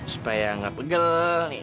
supaya nggak pegel